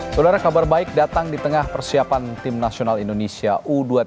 saudara kabar baik datang di tengah persiapan tim nasional indonesia u dua puluh tiga